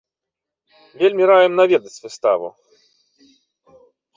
Вельмі раім наведаць выставу.